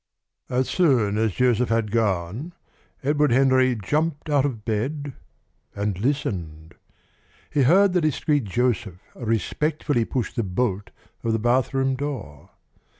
As soon as Joseph had gone, Edward Henry jumped out of bed and listened. He heard the discreet Joseph respectfully push the bolt of the bathroom door.